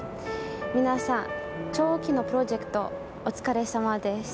皆さん、長期のプロジェクトお疲れさまです。